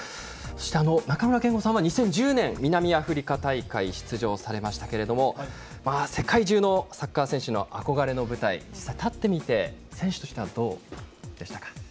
そして中村憲剛さんは２０１０年南アフリカ大会に出場されましたけれども世界中のサッカー選手の憧れの舞台に、実際に立ってみて、選手としてはどうでしたか？